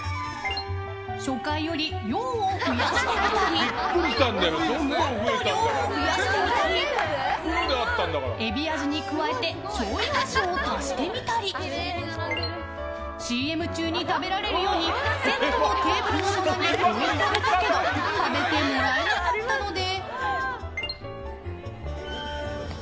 初回より量を増やしてみたりもっと量を増やしてみたりえび味に加えてしょうゆ味を足してみたりＣＭ中に食べられるようにセットのテーブルの棚に置いてみたけど食べてもらえなかったので。